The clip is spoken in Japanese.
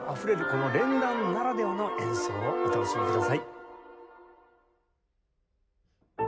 この連弾ならではの演奏をお楽しみください。